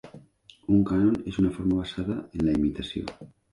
Un cànon és una forma basada en la imitació.